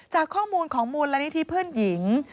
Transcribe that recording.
จากข้อมูลของมูลนิธิเพื่อนหญิง